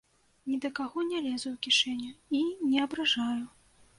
Ні да каго не лезу ў кішэню і не абражаю.